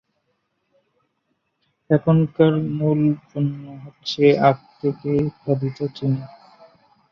এখানকার মূল পণ্য হচ্ছে আখ থেকে উৎপাদিত চিনি।